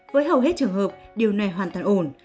với hầu hết trường hợp điều này hoàn toàn ổn